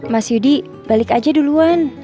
mas yudi balik aja duluan